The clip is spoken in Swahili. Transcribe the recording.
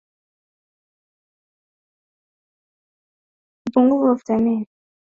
upungufu wa vitamini A iliyo ndani ya viazi lishe husababisha kuharisha